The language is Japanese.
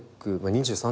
２３